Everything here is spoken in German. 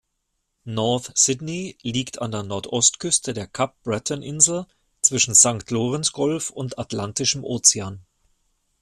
North Sydney liegt an der Nordost-Küste der Kap-Breton-Insel zwischen Sankt-Lorenz-Golf und Atlantischem Ozean.